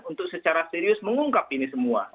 untuk secara serius mengungkap ini semua